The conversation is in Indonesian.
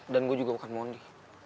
dan gue juga bukan mondi